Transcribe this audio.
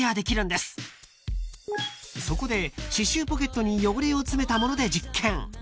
［そこで歯周ポケットに汚れを詰めたもので実験］